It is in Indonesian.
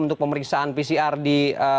untuk pemeriksaan pcr di